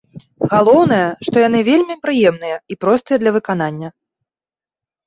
Галоўнае, што яны вельмі прыемныя і простыя для выканання.